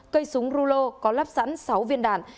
cây súng rulo có lắp sẵn sáu viên đạn